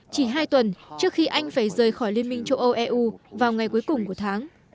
chỉ hai tuần trước khi anh phải rời khỏi liên minh châu âu eu vào ngày cuối cùng của tháng